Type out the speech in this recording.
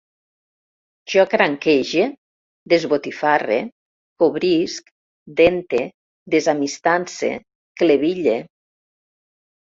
Jo cranquege, desbotifarre, cobrisc, dente, desamistance, cleville